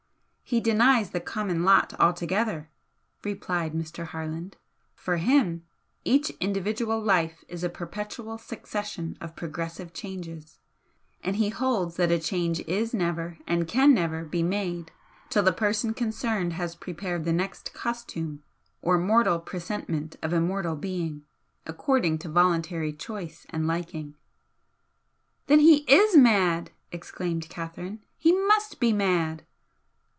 "He denies 'the common lot' altogether" replied Mr. Harland "For him, each individual life is a perpetual succession of progressive changes, and he holds that a change IS never and CAN never be made till the person concerned has prepared the next 'costume' or mortal presentment of immortal being, according to voluntary choice and liking." "Then he is mad!" exclaimed Catherine. "He must be mad!"